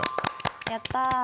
やった。